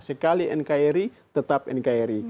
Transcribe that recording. sekali nkri tetap nkri